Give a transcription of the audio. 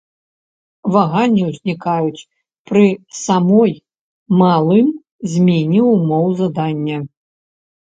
Ваганні ўзнікаюць пры самой малым змене ўмоў задання.